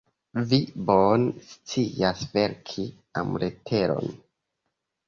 Vi bone scias verki amleteron.